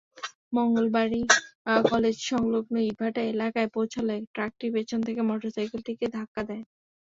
মঙ্গলবাড়ি কলেজসংলগ্ন ইটভাটা এলাকায় পৌঁছালে ট্রাকটি পেছন থেকে মোটরসাইকেলটিকে ধাক্কা দেয়।